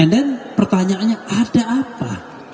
dan pertanyaannya ada apa